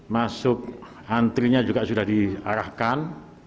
masuk antrinya juga sudah diarahkan